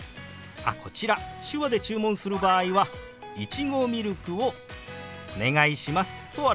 あっこちら手話で注文する場合は「いちごミルクをお願いします」と表します。